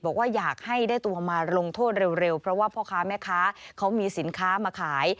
บอกว่าอยากให้ได้ตัวมาลงโทษเร็วเพราะว่าพ่อค้าแม่ค้าเขามีสินค้ามาขาย